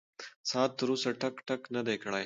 ساعت تر اوسه ټک ټک نه دی کړی.